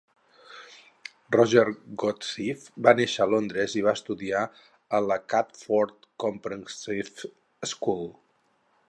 Roger Godsiff va néixer a Londres i va estudiar a la Catford Comprehensive School.